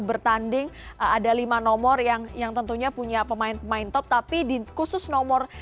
bertanding ada lima nomor yang yang tentunya punya pemain pemain top tapi khusus nomor